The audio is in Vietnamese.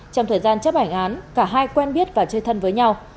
trong thời gian chấp hành án cả hai quen biết và chơi thân với nhau